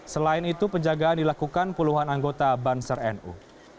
selain itu penjagaan dilakukan puluhan anggota banser nu